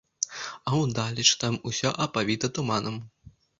А ўдалеч там усё апавіта туманам.